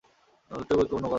আরেকটা গুরুত্বপূর্ণ কথা।